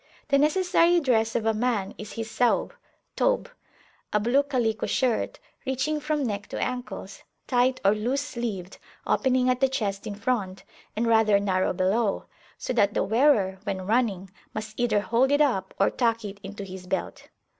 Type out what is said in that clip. The necessary dress of a man is his Saub (Tobe), a blue calico shirt, reaching from neck to ankles, tight or loose sleeved, opening at the chest in front, and rather narrow below; so that the wearer, when running, must either hold it up or tuck it into his belt.